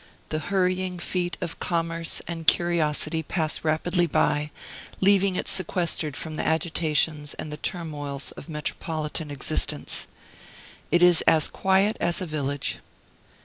The hurrying feet of commerce and curiosity pass rapidly by, leaving it sequestered from the agitations and the turmoils of metropolitan existence. It is as quiet as a village.